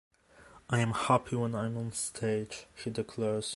"I'm happy when I'm on stage," he declares.